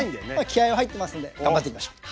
気合いは入ってますんで頑張っていきましょう！